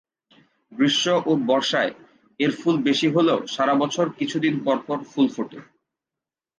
গ্রীষ্ম ও বর্ষায় এর ফুল বেশি হলেও সারা বছর কিছু দিন পরপর ফুল ফোটে।